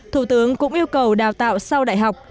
thủ tướng cũng yêu cầu đào tạo sau đại học